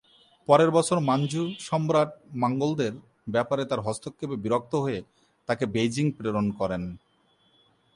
পরের বছর মাঞ্চু সম্রাট মঙ্গোলদের ব্যাপারে তার হস্তক্ষেপে বিরক্ত হয়ে তাকে বেইজিং প্রেরণ করেন।